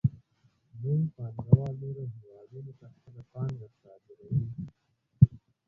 لوی پانګوال نورو هېوادونو ته خپله پانګه صادروي